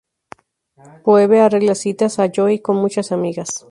Phoebe arregla citas a Joey con muchas amigas.